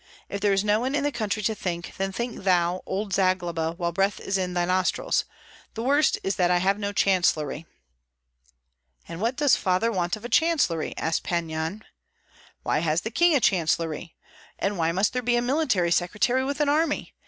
If there is no one in the country to think, then think thou, old Zagloba, while breath is in thy nostrils. The worst is that I have no chancellery." "And what does father want of a chancellery?" asked Pan Yan. "Why has the king a chancellery? And why must there be a military secretary with an army?